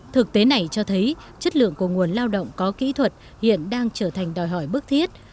thực tế này cho thấy chất lượng của nguồn lao động có kỹ thuật hiện đang trở thành đòi hỏi bức thiết